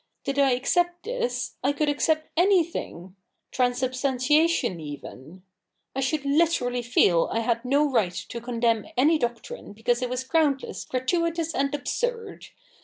Did I accept this, I could accept anything — Transubstantiation even. I should literally feel I had no right to condemn any doctrine because it was groundless, gratuitous, and absurd.